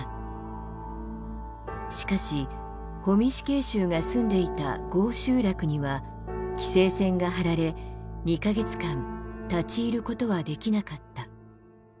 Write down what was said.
しかし保見死刑囚が住んでいた郷集落には規制線が張られ２カ月間立ち入ることはできなかった。